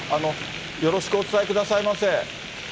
よろしくお伝えくださいませ。